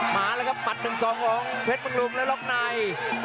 มาแล้วครับหมัด๑๒ของเพชรบำรุงและล็อกใน